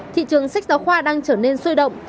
thị trường sách giáo khoa đang trở nên sôi động